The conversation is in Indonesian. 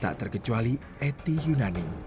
tak terkecuali etty yunanin